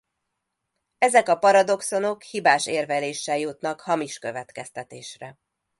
Ezek a paradoxonok hibás érveléssel jutnak hamis következtetésre.